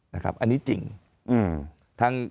นะครับอันนี้จริง